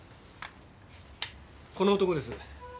この男です。